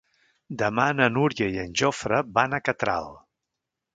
Demà na Núria i en Jofre van a Catral.